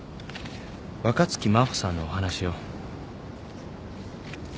若槻真帆さんのお話を。